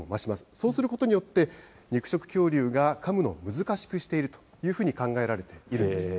そうすることによって、肉食恐竜がかむのを難しくしているというふうに考えられているんです。